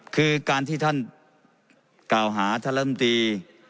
คือการที่ท่านกล่าวหาท่านลำตี